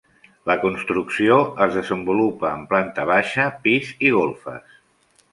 La construcció es desenvolupa en planta baixa, pis i golfes.